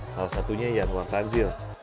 salah satunya yang luar tansil